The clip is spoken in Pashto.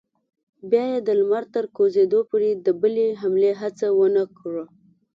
بیا یې د لمر تر کوزېدو پورې د بلې حملې هڅه ونه کړه.